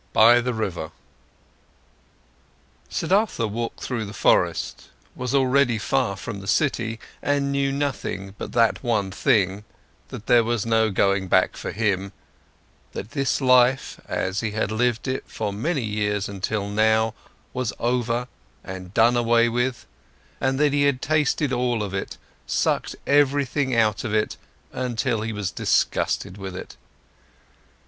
BY THE RIVER Siddhartha walked through the forest, was already far from the city, and knew nothing but that one thing, that there was no going back for him, that this life, as he had lived it for many years until now, was over and done away with, and that he had tasted all of it, sucked everything out of it until he was disgusted with it.